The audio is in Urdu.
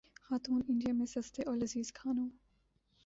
خاتون انڈیا میں سستے اور لذیذ کھانوں